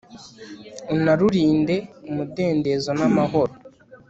unarurinde, umudendezo n'amahoro